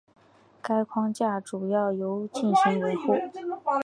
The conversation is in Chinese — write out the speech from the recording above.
该框架主要由进行维护。